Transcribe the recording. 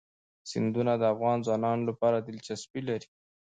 سیندونه د افغان ځوانانو لپاره دلچسپي لري.